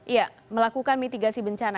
ya melakukan mitigasi bencana